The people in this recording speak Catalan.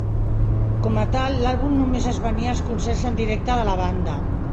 Com a tal, l'àlbum només es venia als concerts en directe de la banda.